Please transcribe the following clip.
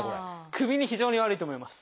首に非常に悪いと思います。